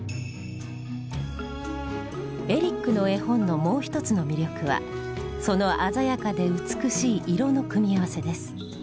エリックの絵本のもう一つの魅力はその鮮やかで美しい色の組み合わせです。